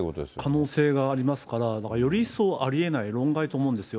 可能性はありますから、だからより一層ありえない、論外と思うんですよ。